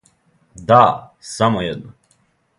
Да, само једна!